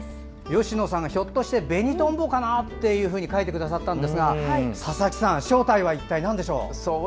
芳野さん、ひょっとしたらベニトンボかなって書いてくださったんですが佐々木さん、正体は一体なんでしょう。